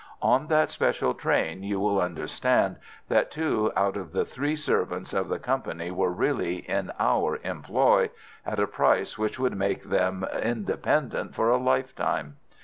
On that special train you will understand that two out of the three servants of the company were really in our employ, at a price which would make them independent for a lifetime.